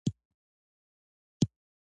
د سرو انارو هیواد افغانستان.